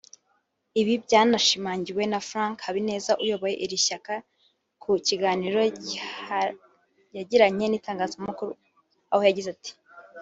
Ibi byanashimangiwe na Frank Habineza uyoboye iri shyaka mu kiganiro yagiranye n’itangazamakuru aho yagize ati